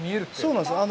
そうなんです。